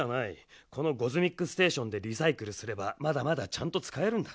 このゴズミックステーションでリサイクルすればまだまだちゃんとつかえるんだ。